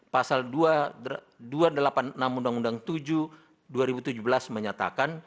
pasal dua ratus delapan puluh enam undang undang tujuh dua ribu tujuh belas menyatakan